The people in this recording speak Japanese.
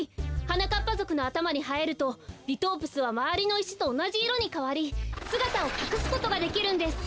はなかっぱぞくのあたまにはえるとリトープスはまわりのいしとおなじいろにかわりすがたをかくすことができるんです。